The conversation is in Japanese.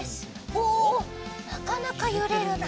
おおなかなかゆれるな。